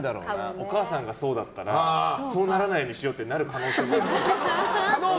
お母さんがそうだったらそうならないようにしようってなる可能性もある。